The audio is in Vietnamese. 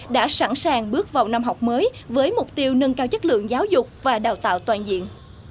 đã sẵn sàng bước vào năm học mới với mục tiêu nâng cao chất lượng giáo dục và đào tạo toàn diện